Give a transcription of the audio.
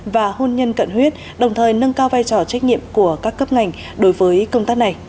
và hôn nhân cận huyết đồng thời nâng cao vai trò trách nhiệm của các cấp ngành đối với công tác này